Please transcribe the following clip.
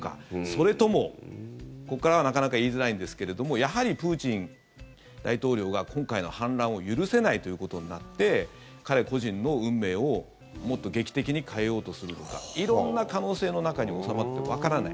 それとも、ここからはなかなか言いづらいんですがやはりプーチン大統領が今回の反乱を許せないということになって彼個人の運命をもっと劇的に変えようとするのか色んな可能性の中に収まってわからない。